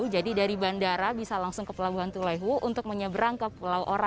jadi dari bandara bisa langsung ke pelabuhan tulehu untuk menyeberang ke pulau ora